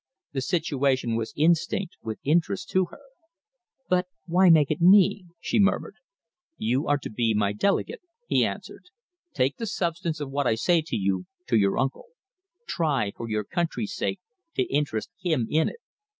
The situation was instinct with interest to her. "But why make it to me?" she murmured. "You are to be my delegate," he answered. "Take the substance of what I say to you, to your uncle. Try, for your country's sake, to interest him in it.